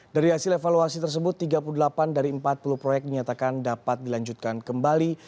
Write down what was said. dari hasil evaluasi tersebut tiga puluh delapan dari empat puluh proyek dinyatakan dapat dilanjutkan kembali